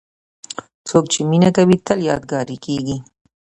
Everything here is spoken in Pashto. څوک چې مینه کوي، تل یادګاري کېږي.